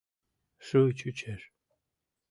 Шуй чучеш.